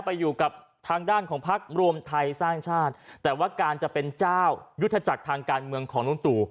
ไปอยู่กับทางด้านของพักรวมไทยสร้างชาติแต่ว่าการจะเป็นเจ้ายุทธจักรทางการเมืองของลุงตู่